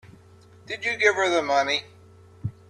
Did you give her the money?